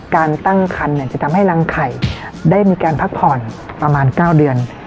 การตั้งคันจะทำให้รังไข่ได้มีการพักผ่อนประมาณ๙เดือน